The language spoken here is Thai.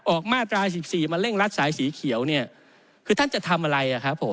ออกมาตราย๑๔มาเร่งรัดสายสีเขียวคือท่านจะทำอะไร